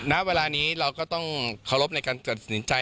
ณเวลานี้เราก็ต้องเคารพในการตัดสินใจ